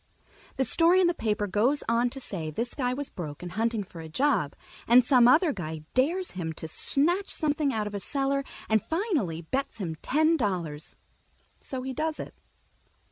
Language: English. The story in the paper goes on to say this guy was broke and hunting for a job, and some other guy dares him to snatch something out of a cellar and finally bets him ten dollars, so he does it.